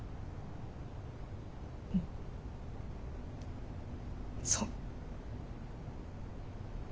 うんそう。